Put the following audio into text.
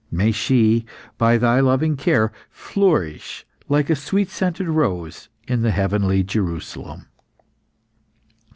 May she, by Thy loving care, flourish like a sweet scented rose in the heavenly Jerusalem."